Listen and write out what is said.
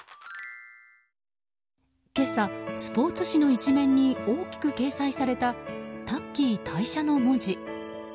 今朝、スポーツ紙の１面に大きく掲載された「タッキー退社」の文字。